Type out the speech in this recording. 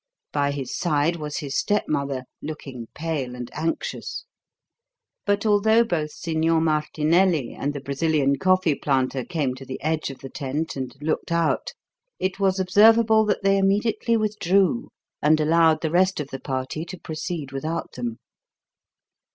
By his side was his stepmother, looking pale and anxious. But although both Signor Martinelli and the Brazilian coffee planter came to the edge of the tent and looked out, it was observable that they immediately withdrew, and allowed the rest of the party to proceed without them.